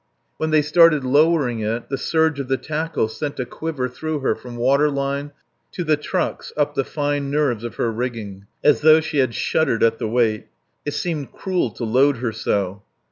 When they started lowering it the surge of the tackle sent a quiver through her from water line to the trucks up the fine nerves of her rigging, as though she had shuddered at the weight. It seemed cruel to load her so.